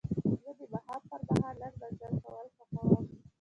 زه د ماښام پر مهال لنډ مزل کول خوښوم.